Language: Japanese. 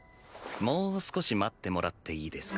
もう少し待ってもらっていいですか？